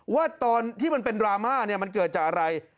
ว่าตอนที่มันเป็นดราม่าเนี่ยมันเกิดจากอะไร